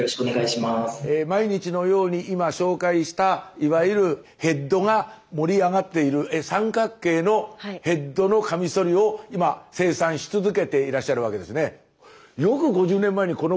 毎日のように今紹介したいわゆるヘッドが盛り上がっている三角形のヘッドのカミソリを今生産し続けていらっしゃるわけですね。